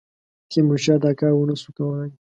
تیمورشاه دا کار ونه سو کړای.